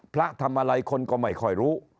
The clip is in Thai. พระทำอะไรคนก็ไม่ค่อยรู้